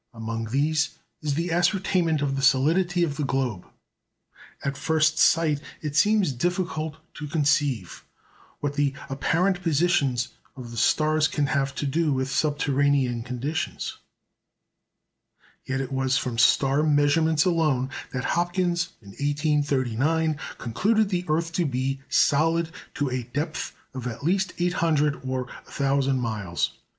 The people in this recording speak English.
Among these is the ascertainment of the solidity of the globe. At first sight it seems difficult to conceive what the apparent positions of the stars can have to do with subterranean conditions; yet it was from star measurements alone that Hopkins, in 1839, concluded the earth to be solid to a depth of at least 800 or 1,000 miles.